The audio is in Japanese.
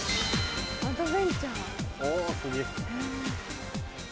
アドベンチャー。